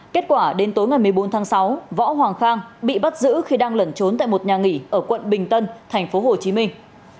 kết quả đến tối ngày một mươi bốn tháng sáu võ hoàng khang bị bắt giữ khi đang lẩn trốn tại một nhà nghỉ ở quận bình tân thành phố hồ chí minh